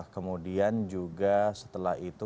kemudian juga setelah itu